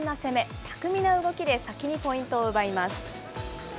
巧みな動きで先にポイントを奪います。